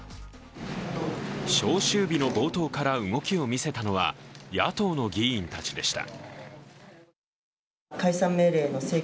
召集日の冒頭から動きを見せたのは野党の議員たちでした。